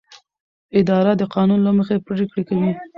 اداره د قانون له مخې پریکړې کوي.